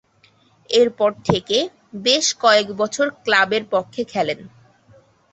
এরপর থেকে বেশ কয়েকবছর ক্লাবের পক্ষে খেলেন।